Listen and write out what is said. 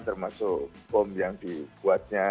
termasuk bom yang dibuatnya